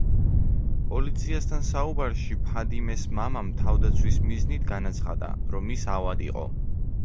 პოლიციასთან საუბარში, ფადიმეს მამამ თავდაცვის მიზნით განაცხადა, რომ ის ავად იყო.